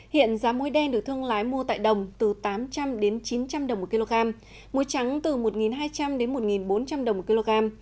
hiện giá muối đen được thương lái mua tại đồng từ tám trăm linh đến chín trăm linh đồng một kg muối trắng từ một hai trăm linh đến một bốn trăm linh đồng một kg